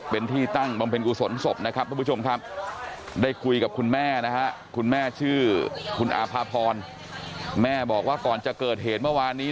เป็นที่ตั้งบำเพ็ญกุศลศพนะครับทุกผู้ชมครับได้คุยกับคุณแม่นะฮะคุณแม่ชื่อคุณอาภาพรแม่บอกว่าก่อนจะเกิดเหตุเมื่อวานนี้